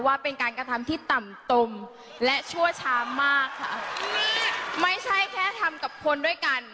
ว่าเป็นการกระทำที่ต่ำตมและชั่วช้ามากค่ะนี่ไม่ใช่แค่ทำกับคนด้วยกัน